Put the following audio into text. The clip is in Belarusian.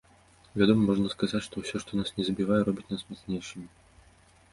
Вядома, можна сказаць, што ўсё, што нас не забівае, робіць нас мацнейшымі.